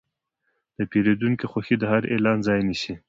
د پیرودونکي خوښي د هر اعلان ځای نیسي.